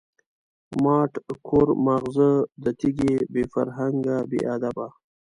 ماټ کور ماغزه د تیږی، بی فرهنگه بی ادبه